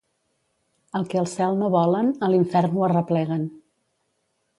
El que al cel no volen, a l'infern ho arrepleguen.